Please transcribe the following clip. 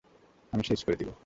আমি সেচ করে দিব।